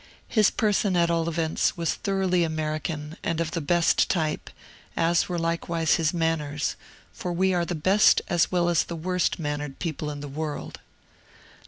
His person, at all events, was thoroughly American, and of the best type, as were likewise his manners; for we are the best as well as the worst mannered people in the world.